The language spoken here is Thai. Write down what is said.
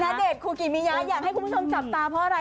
ณเดชนคูกิมิยาอยากให้คุณผู้ชมจับตาเพราะอะไร